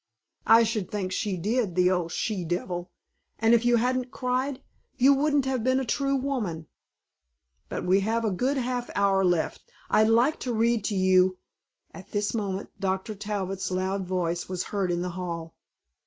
"I should think she did, the old she devil, and if you hadn't cried you wouldn't have been a true woman! But we have a good half hour left. I'd like to read you " At this moment Dr. Talbot's loud voice was heard in the hall.